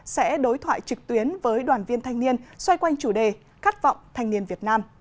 sẽ đối thoại trực tuyến với đoàn viên thanh niên xoay quanh chủ đề khát vọng thanh niên việt nam